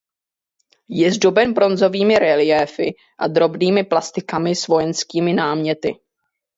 Je zdoben bronzovými reliéfy a drobnými plastikami s vojenskými náměty.